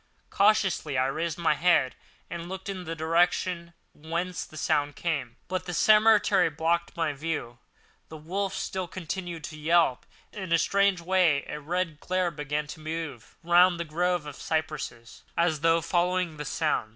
Cautiously I raised my head and looked in the direction whence the sound came; but the cemetery blocked my view. The wolf still continued to yelp in a strange way, and a red glare began to move round the grove of cypresses, as though following the sound.